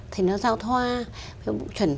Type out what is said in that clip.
thì nó giao thoa với bộ chuẩn